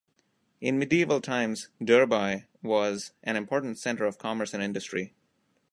In medieval times Durbuy was an important centre of commerce and industry.